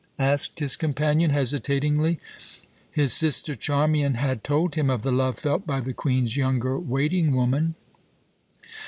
asked his companion, hesitatingly. His sister, Charmian, had told him of the love felt by the Queen's younger waiting woman.